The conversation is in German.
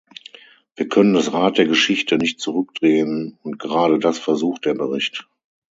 Wir können das Rad der Geschichte nicht zurückdrehen, und gerade das versucht der Bericht.